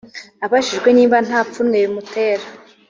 Abajijwe niba nta pfunwe bimutera